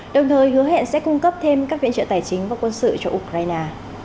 đồng thời hứa hẹn sẽ cung cấp thêm các viện trợ tài chính và quân sự cho ukraine